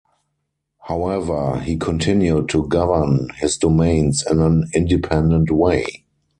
However, he continued to govern his domains in an independent way.